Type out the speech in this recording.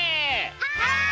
はい！